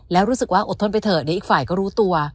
แล้วรู้สึกว่าอดทนไปเถอะเดี๋ยวอีกฝ่ายก็รู้ตัว